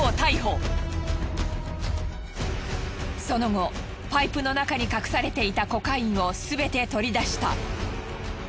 その後パイプの中に隠されていたコカインをすべて取り出した。